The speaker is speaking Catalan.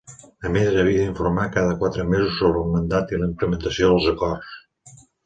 A més, havia d'informar cada quatre mesos sobre el mandat i la implementació dels acords.